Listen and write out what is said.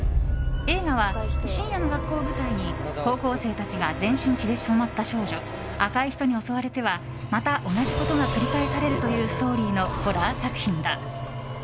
映画は深夜の学校を舞台に高校生たちが全身血で染まった少女赤い人に襲われてはまた同じことが繰り返されるというストーリーのホラー作品だ。